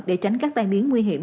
để tránh các tai biến nguy hiểm